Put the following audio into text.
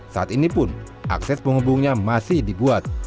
saat ini pun akses penghubungnya masih dibuat